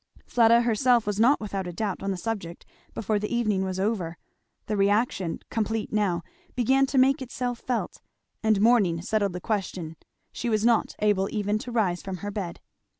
Fleda herself was not without a doubt on the subject before the evening was over. The reaction, complete now, began to make itself felt; and morning settled the question. She was not able even to rise from her bed.